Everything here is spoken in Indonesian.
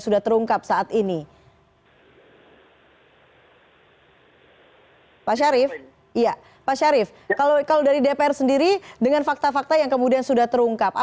unsur kesengajaan ternyata